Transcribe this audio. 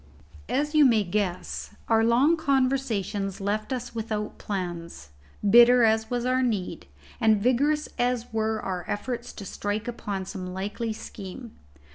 As you may guess, our long conversations left us without plans, bitter as was our need, and vigorous as were our efforts to strike upon some likely scheme.